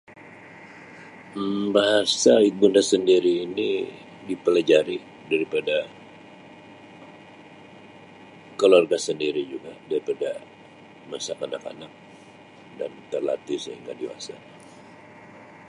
Um Bahasa ibunda sendiri ini dipelajari daripada keluarga sendiri juga daripada masa kanak-kanak dan terlatih sehingga dewasa.